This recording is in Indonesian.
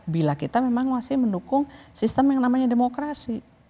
bila kita memang masih mendukung sistem yang namanya demokrasi